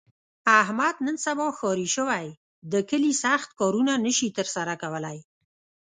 احمد نن سبا ښاري شوی، د کلي سخت کارونه نشي تر سره کولی.